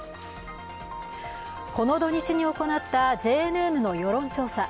この土日に行ったＪＮＮの世論調査。